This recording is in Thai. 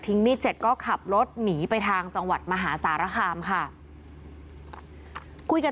มีดเสร็จก็ขับรถหนีไปทางจังหวัดมหาสารคามค่ะคุยกับ